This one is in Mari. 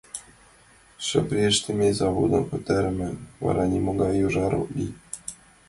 Шырпе ыштыме заводым пытарыман, вара нимогай йожар ок лий.